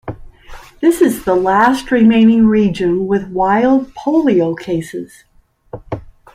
This is the last remaining region with wild polio cases.